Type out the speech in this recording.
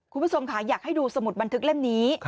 คุณผู้ชมค่ะอยากให้ดูสมุดบันทึกเล่มนี้